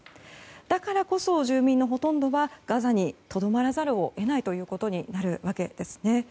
だからこそ、住民のほとんどはガザにとどまらざるを得ないというわけです。